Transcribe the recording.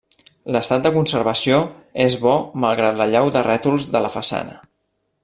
L'estat de conservació és bo malgrat l'allau de rètols de la façana.